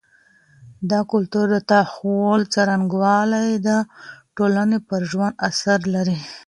د کلتور د تحول څرنګوالی د ټولني پر ژوند اثر لري.